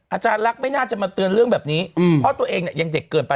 อาจารย์ลักษณ์ไม่น่าจะมาเตือนเรื่องแบบนี้เพราะตัวเองเนี่ยยังเด็กเกินไป